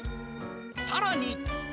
さらに。